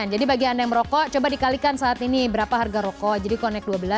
jadi bagi anda yang merokok coba dikalikan saat ini berapa harga rokok jadi konek dua belas